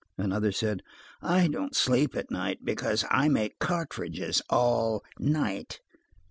Another said: "I don't sleep at night, because I make cartridges all night."